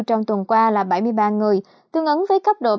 trong tuần qua là bảy mươi ba người tương ứng với cấp độ